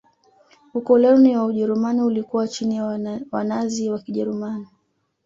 ukoloni wa ujerumani ulikuwa chini ya wanazi wa kijerumani